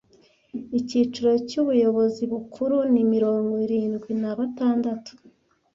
Icyiciro cy Ubuyobozi Bukuru ni mirongo irindwi na batandatu